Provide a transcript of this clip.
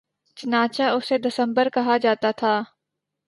چنانچہ اسے دسمبر کہا جاتا تھا